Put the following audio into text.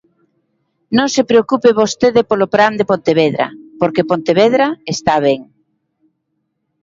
Non se preocupe vostede polo plan de Pontevedra porque Pontevedra está ben.